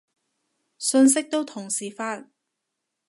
信息都同時發